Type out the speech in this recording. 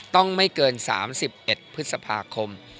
ไม่เกิน๓๑พฤษภาคม